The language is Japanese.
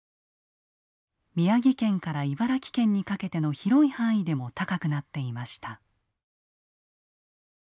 宮城県から茨城県にかけての広い範囲でも高くなっていました。